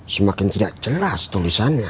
semakin tidak jelas tulisannya